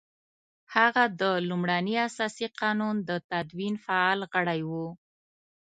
هغه د لومړني اساسي قانون د تدوین فعال غړی وو.